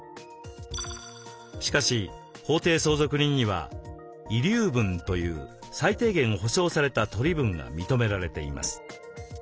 しかし法定相続人には「遺留分」という最低限保証された取り分が認められています。